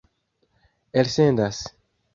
elsendas